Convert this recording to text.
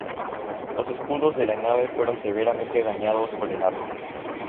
Los escudos de la nave fueron severamente dañados por el arma.